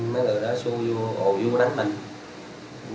mấy người đó xô vô ồ vô đánh mình